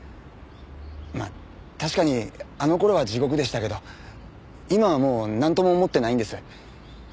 まあ確かにあの頃は地獄でしたけど今はもうなんとも思ってないんです。